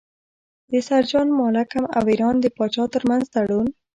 د سر جان مالکم او ایران د پاچا ترمنځ تړون.